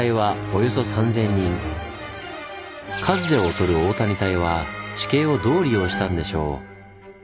数で劣る大谷隊は地形をどう利用したんでしょう？